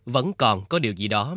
vẫn còn có điều gì đó